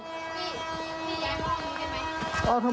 พอดีจะมีลูกค้ามาอย่างนี้ครับ